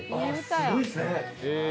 すごいですね